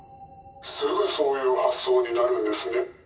スグそういう発想になるんですネ。